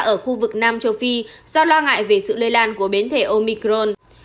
ở khu vực nam châu phi do lo ngại về sự lây lan của biến thể omicron